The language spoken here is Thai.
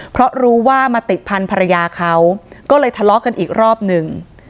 เพราะรู้ว่ามาติดพันธรรยาเขาก็เลยทะเลาะกันอีกรอบหนึ่ง